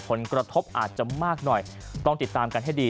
ผลกระทบอาจจะมากหน่อยต้องติดตามกันให้ดี